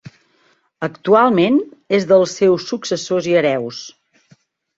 Actualment és dels seus successors i hereus.